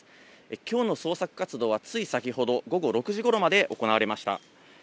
きょうの捜索活動は、つい先ほど、午後６時ごろまで行われました。